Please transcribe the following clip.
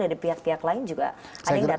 ada pihak pihak lain juga ada yang datang